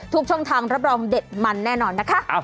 ทุกช่องทางรับรองเด็ดมันแน่นอนนะคะ